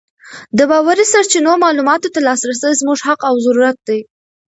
د باوري سرچینو معلوماتو ته لاسرسی زموږ حق او ضرورت دی.